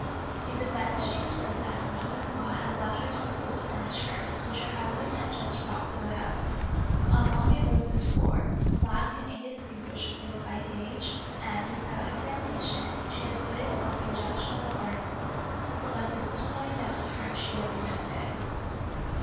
In defence she explained that her mother in law had left her some old furni ture, which her husband had just brought to the house; among it was this board, black and indistinguishable with age and, without examination, she had put it on the objectionable article, but when this was pointed out to her she had removed it.